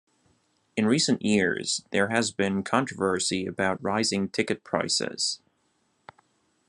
In recent years, there has been controversy about rising ticket prices.